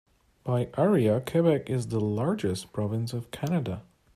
By area, Quebec is the largest province of Canada.